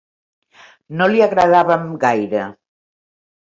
No li agradàvem gaire.